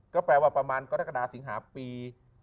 ก็แปลว่าประมาณกรกฎาสิงหาปี